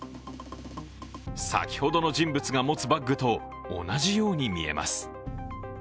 先ほどの人物が持つバッグと同じように見えます。